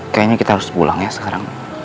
kayaknya kita harus pulang ya sekarang